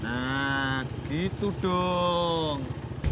nah gitu dong